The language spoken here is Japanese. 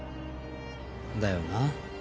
だよな。